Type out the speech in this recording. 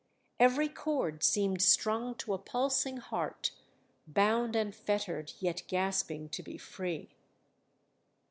Every chord seemed strung to a pulsing heart bound and fettered, yet gasping to be free.